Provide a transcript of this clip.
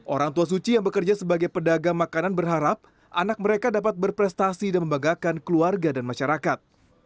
orang tua suci yang bekerja sebagai pedagang makanan berharap anak mereka dapat berprestasi dan membanggakan keluarga dan masyarakat